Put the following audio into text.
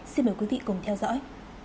xin mời quý vị cùng theo dõi